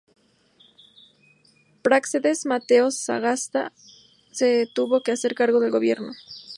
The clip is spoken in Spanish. Práxedes Mateo Sagasta se tuvo que hacer cargo del gobierno.